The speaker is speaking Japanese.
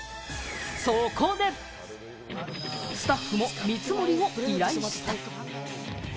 そこでスタッフも見積もりを依頼した。